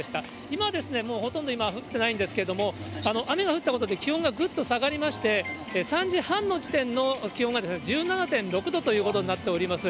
今、もうほとんど今降ってないんですけれども、雨が降ったことで気温がぐっと下がりまして、３時半の時点の気温が１７．６度ということになっております。